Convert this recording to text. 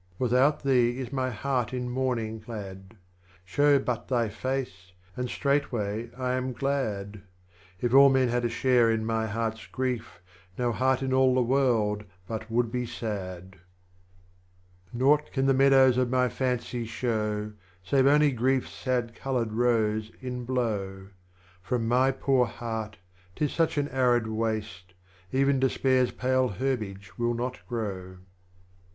AVithout thee is my Heart in Mourning clad, Show but thy Face, and straightway I am glad ; If all men had a share in my Heart's Grief, No Heart in all the World but would be sad. 30. Nought can the Meadows of my Fancy show Save only Grief's sad coloured Rose in bloAv, From my poor Heart, 'tis such an Arid waste. Even Despair's pale Herbage will not grow.